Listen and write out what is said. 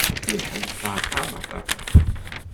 Fiḥel ṭaṭa, baṭaṭa!